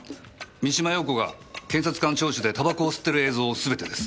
三島陽子が検察官聴取でタバコを吸っている映像すべてです。